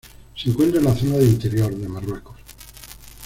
Se encuentra en la zona de interior de Marruecos.